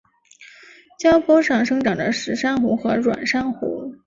礁坡上生长着石珊瑚和软珊瑚。